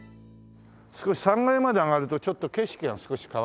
３階まで上がるとちょっと景色が少し変わるね。